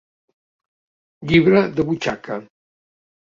Llibre de butxaca.